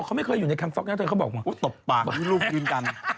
เขาไม่เคยอยู่ในครั้งฟล็อกอย่างเท่านั้นเขาบอกว่าโอ๊ยตบปากลูกยืนจันทร์